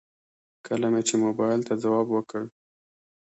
کله مې چې موبايل ته ځواب وکړ.